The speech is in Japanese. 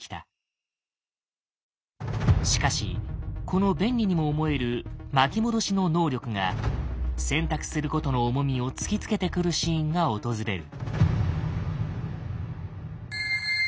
しかしこの便利にも思える巻き戻しの能力が選択することの重みを突きつけてくるシーンが訪れる。